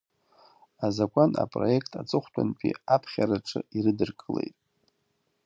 Азакәан апроект аҵыхәтәантәи аԥхьараҿы ирыдыркылеит.